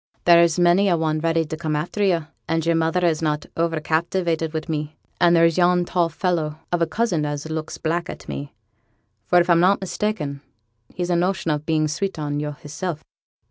'There's many a one ready to come after yo'; and yo'r mother is not o'er captivated wi' me; and there's yon tall fellow of a cousin as looks black at me, for if I'm not mista'en he's a notion of being sweet on yo' hisself.'